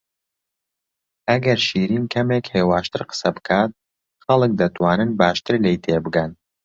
ئەگەر شیرین کەمێک هێواشتر قسە بکات، خەڵک دەتوانن باشتر لێی تێبگەن.